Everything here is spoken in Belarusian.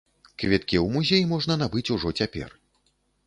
Квіткі ў музей можна набыць ужо цяпер.